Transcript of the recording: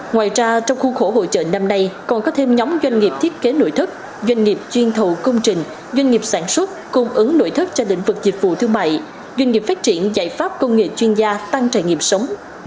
ngoài ra trong khu khổ hội chợ năm nay còn có thêm nhóm doanh nghiệp thiết kế nội thất doanh nghiệp chuyên thụ công trình doanh nghiệp sản xuất cung ứng nội thất cho lĩnh vực dịch vụ thương mại doanh nghiệp phát triển giải pháp công nghệ chuyên gia tăng trải nghiệm sống